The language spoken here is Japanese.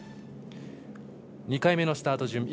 ２回目のスタート順。